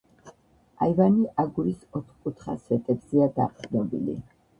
აივანი აგურის ოთკუთხა სვეტებზეა დაყრდნობილი.